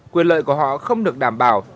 quyền lợi của họ không được đảm bảo